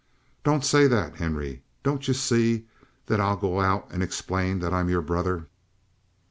"Don't say that, Henry. Don't you see that I'll go out and explain that I'm your brother?"